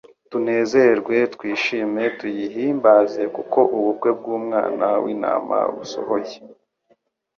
Tunezerwe twishime, tuyihimbaze, kuko ubukwe bw’Umwana w’Intama busohoye,